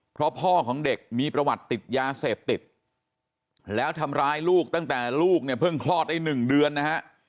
เพราะพ่อของเด็กมีประวัติติดยาเสพติดแล้วทำร้ายลูกตั้งแต่ลูกเนี่ยเพิ่งคลอดได้๑เดือนนะฮะ